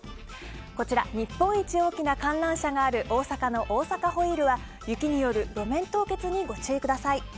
こちら、日本一大きな観覧車がある大阪のＯＳＡＫＡＷＨＥＥＬは雪による路面凍結にご注意ください。